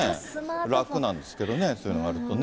楽なんですけどね、そういうのがあると。